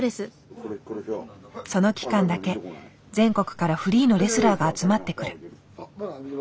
その期間だけ全国からフリーのレスラーが集まってくる。